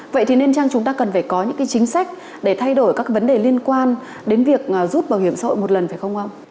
vậy thì nên chăng chúng ta cần phải có những chính sách để thay đổi các vấn đề liên quan đến việc rút bảo hiểm xã hội một lần phải không ông